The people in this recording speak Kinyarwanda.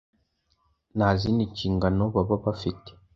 nta zindi nshingano baba bafite.